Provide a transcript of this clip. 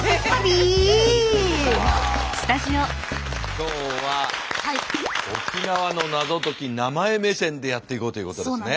今日は沖縄のナゾ解き名前目線でやっていこうということですね。